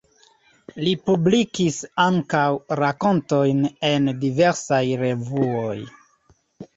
Li publikis ankaŭ rakontojn en diversaj revuoj.